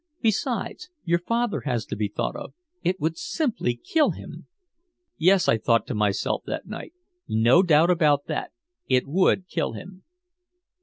Besides, your father has to be thought of. It would simply kill him!" "Yes," I thought to myself that night. "No doubt about that, it would kill him."